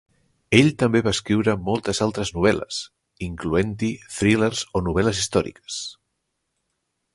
Ell també va escriure moltes altres novel·les, incloent-hi thrillers o novel·les històriques.